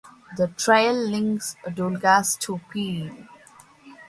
The trail links Douglas to Peel.